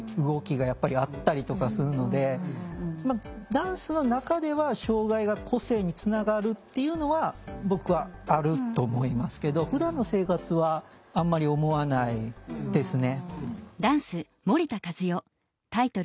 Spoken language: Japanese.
ダンスの中では障害が個性につながるっていうのは僕はあると思いますけどふだんの生活はあんまり思わないですね。